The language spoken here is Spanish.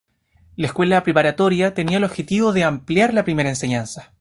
La Escuela Preparatoria tenía el objetivo de ampliar la Primera Enseñanza.